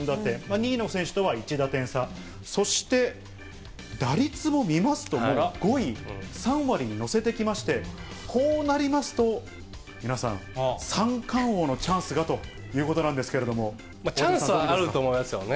２位の選手とは１打点差、そして、打率も見ますと、もう５位、３割にのせてきまして、こうなりますと、皆さん、三冠王のチャンチャンスはあると思いますよね。